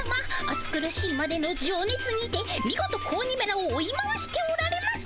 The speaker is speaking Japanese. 暑苦しいまでのじょうねつにてみごと子鬼めらを追い回しておられます。